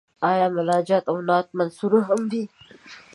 آیا مناجات او نعت منثور هم وي.